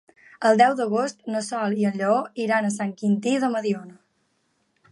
El deu d'agost na Sol i en Lleó iran a Sant Quintí de Mediona.